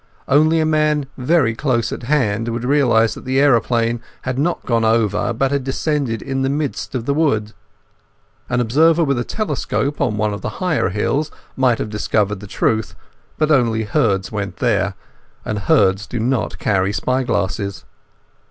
Only a man very close at hand would realize that the aeroplane had not gone over but had descended in the midst of the wood. An observer with a telescope on one of the higher hills might have discovered the truth, but only herds went there, and herds do not carry spy glasses.